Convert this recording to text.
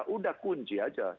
sudah kunci saja